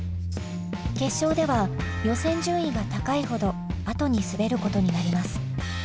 決勝では予選順位が高いほど後に滑ることになります。